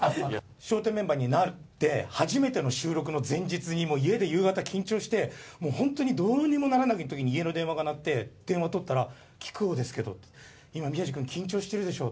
笑点メンバーになって、初めての収録の前日に、家で夕方、緊張して、もう本当にどうにもならないときに、家の電話が鳴って、電話取ったら木久扇ですけど、今、宮治君、緊張してるでしょ？